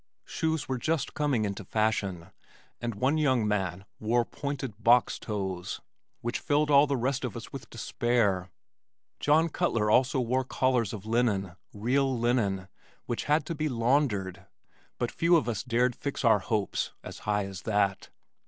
Shoes were just coming into fashion and one young man wore pointed "box toes" which filled all the rest of us with despair. John Cutler also wore collars of linen real linen which had to be laundered, but few of us dared fix our hopes as high as that.